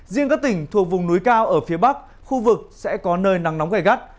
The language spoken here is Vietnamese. riêng các tỉnh thuộc vùng núi cao ở phía bắc khu vực sẽ có nơi nắng nóng gai gắt